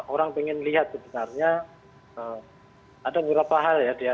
orang ingin melihat sebenarnya ada beberapa hal ya